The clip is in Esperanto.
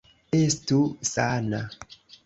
Estu sana!